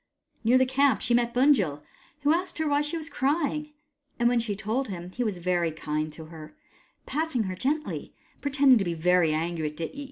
Near the camp she met Bunjil, who asked her HOW LIGHT CAME iii why she was crying ; and when she told him, he was kind to her, patting her gently, and pretend ing to be very angry with Dityi.